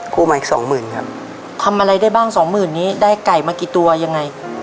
กู้มาอีกสองหมื่นครับทำอะไรได้บ้างสองหมื่นนี้ได้ไก่มากี่ตัวยังไง